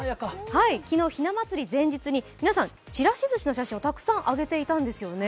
昨日、ひな祭り前日に皆さん、ちらし寿司の写真をたくさん上げていたんですね。